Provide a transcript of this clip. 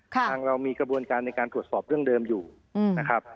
ทางเรามีกระบวนการในการตรวจสอบเรื่องเดิมอยู่นะครับ